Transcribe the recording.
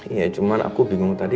iya cuman aku bingung tadi